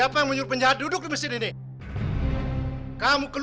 nanti gue taruh kalimah lu